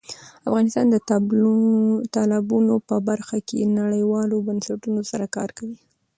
افغانستان د تالابونه په برخه کې نړیوالو بنسټونو سره کار کوي.